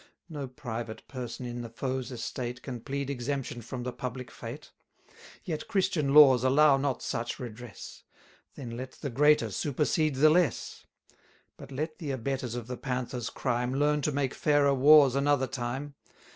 No private person in the foe's estate Can plead exemption from the public fate. 350 Yet Christian laws allow not such redress; Then let the greater supersede the less. But let the abettors of the Panther's crime Learn to make fairer wars another time.